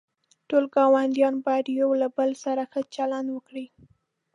ټول گاونډیان باید یوله بل سره ښه چلند وکړي.